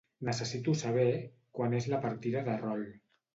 Necessito saber quan és la partida de rol.